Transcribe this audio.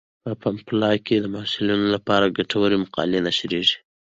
په پملا کې د محصلینو لپاره ګټورې مقالې نشریږي.